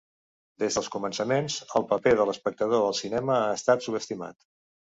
Des dels començaments, el paper de l'espectador al cinema ha estat subestimat.